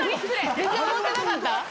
全然思ってなかった？